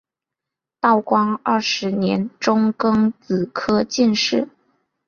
道光二十年中庚子科进士。